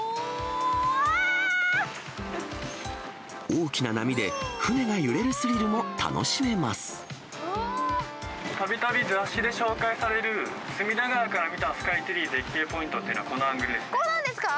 大きな波で、たびたび雑誌で紹介される、隅田川から見たスカイツリーの絶景ポイントっていうのは、このアこれなんですか？